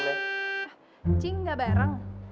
breman juga manusia aja